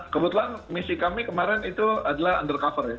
kebetulan misi kami kemarin itu adalah undercover ya